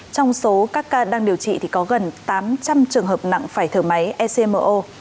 trong số các ca đang điều trị thì có gần tám trăm linh trường hợp nặng phải thở máy ecmo